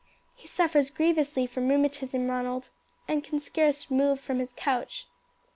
"He suffers grievously from rheumatism, Ronald, and can scarce move from his couch."